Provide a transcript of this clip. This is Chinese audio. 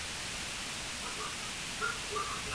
弘治十三年卒于任。